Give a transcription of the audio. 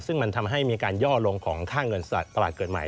ซึ่งมันทำให้มีการย่อลงของค่าเงินตลาดเกิดใหม่